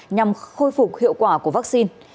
nhằm khôi phục hiệu quả của vaccine